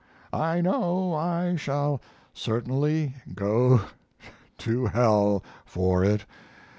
I know I shall certainly go to hell for it.